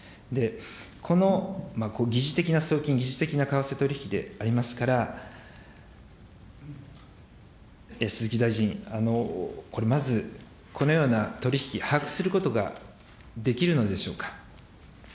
この疑似的な送金、疑似的な為替取引でありますから、鈴木大臣、これ、まず、このような取り引き、把握することができるのでしょうか。